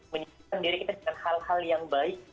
menyiapkan diri kita dengan hal hal yang baik